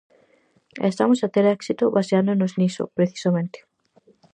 E estamos a ter éxito baseándonos niso, precisamente.